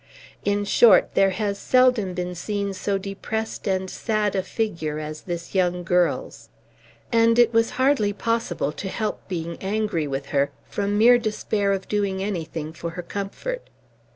In short, there has seldom been seen so depressed and sad a figure as this young girl's; and it was hardly possible to help being angry with her, from mere despair of doing anything for her comfort.